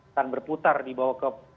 akan berputar dibawa ke